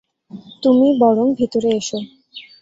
তুমি বরং ভিতরে এসো।